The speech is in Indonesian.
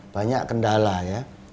banyak kendala ya